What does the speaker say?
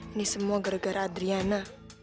ini semua gara gara adriana